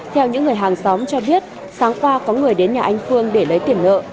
theo những người hàng xóm cho biết sáng qua có người đến nhà anh phương để lấy tiền nợ